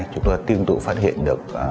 chúng tôi tiêm tụ phát hiện được